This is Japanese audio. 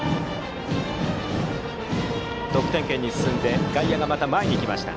得点圏に進んで外野はまた前に来ました。